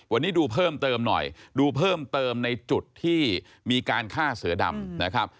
วันนี้ดูเพิ่มเติมหน่อยดูเพิ่มเติมในจุดที่มีการฆ่าเสือดำนะครับ